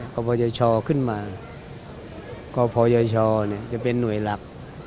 ปปชขึ้นมากพยชจะเป็นหน่วยหลัก